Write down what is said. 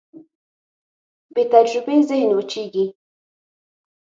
بېتجربې ذهن وچېږي.